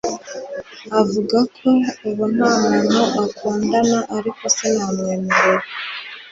Avuga ko ubu nta muntu akundana ariko sinamwemera